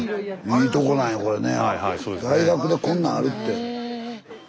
大学でこんなんあるって。